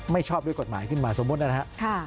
ชอบด้วยกฎหมายขึ้นมาสมมุตินะครับ